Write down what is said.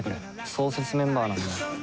「創設メンバーなんだよ」